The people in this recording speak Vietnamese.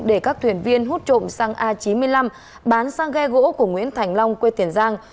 để các thuyền viên hút trộm sang a chín mươi năm bán sang ghe gỗ của nguyễn thành long quê tiền giang